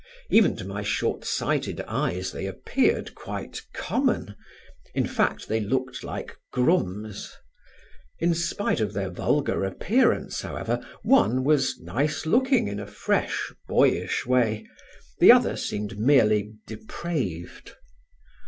Even to my short sighted eyes they appeared quite common: in fact they looked like grooms. In spite of their vulgar appearance, however, one was nice looking in a fresh boyish way; the other seemed merely depraved.